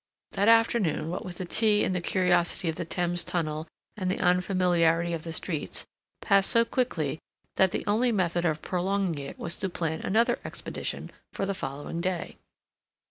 That afternoon, what with tea and the curiosities of the Thames tunnel and the unfamiliarity of the streets, passed so quickly that the only method of prolonging it was to plan another expedition for the following day.